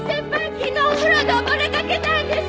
昨日お風呂でおぼれかけたんです！